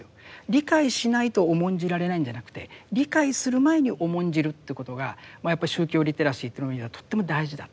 理解しないと重んじられないんじゃなくて理解する前に重んじるということがやっぱり宗教リテラシーという意味ではとっても大事だ。